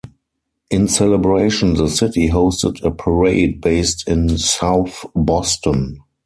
In celebration, the city hosted a parade based in South Boston.